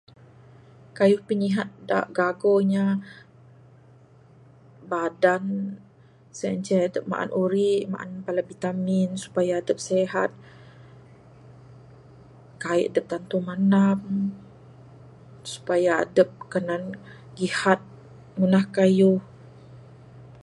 Keyuh penyihat da gago inya, badan sien ce adep maan urik, maan bala vitamin supaya adep sihat, kai dek tentu mendam, supaya adep kenan gihat ngundah keyuh.